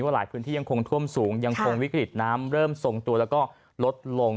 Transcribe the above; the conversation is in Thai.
หลายพื้นที่ยังคงท่วมสูงยังคงวิกฤตน้ำเริ่มทรงตัวแล้วก็ลดลง